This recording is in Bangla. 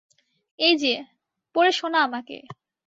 এইযে -- পড়ে শোনা আমাকে।